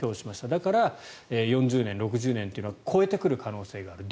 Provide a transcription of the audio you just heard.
だから、４０年、６０年は超えてくる可能性がある。